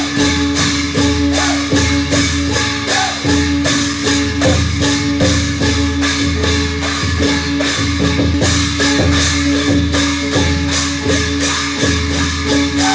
ได้มั้ยคะ